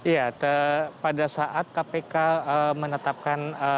ya pada saat kpk menetapkan